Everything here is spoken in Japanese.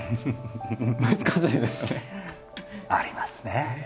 難しいですよね。ありますね。